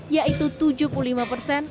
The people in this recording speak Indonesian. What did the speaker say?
yaitu tujuh puluh lima persen